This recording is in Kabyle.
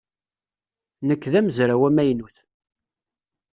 Nekk d amezraw amaynut.